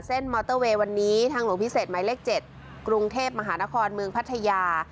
มอเตอร์เวย์วันนี้ทางหลวงพิเศษหมายเลข๗กรุงเทพมหานครเมืองพัทยา